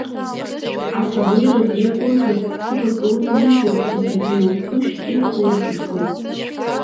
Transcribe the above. Асы алеира деигәырӷьоит, цырак лывлыжьуам, зегь лԥышә иқәлырӡҭуеит.